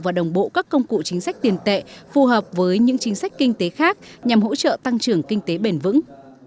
và đồng bộ các công cụ chính sách tiền tệ phù hợp với những chính sách kinh tế khác nhằm hỗ trợ tăng trưởng kinh tế bền vững